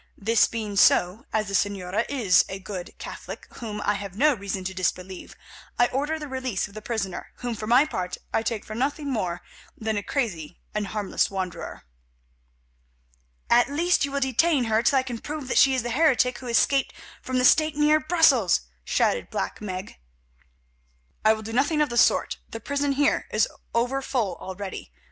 This being so, as the Señora is a good Catholic whom I have no reason to disbelieve, I order the release of the prisoner, whom for my part I take for nothing more than a crazy and harmless wanderer." "At least you will detain her till I can prove that she is the heretic who escaped from the stake near Brussels," shouted Black Meg. "I will do nothing of the sort; the prison here is over full already.